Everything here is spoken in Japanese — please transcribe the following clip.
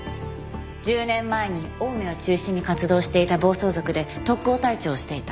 １０年前に青梅を中心に活動していた暴走族で特攻隊長をしていた。